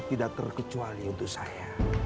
tidak terkecuali untuk saya